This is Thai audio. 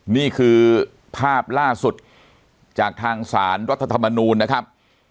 นี่คือภาพล่าสุดจากทางสารรัฐธรรมนูลนะครับ